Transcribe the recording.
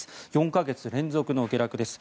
４か月連続の下落です。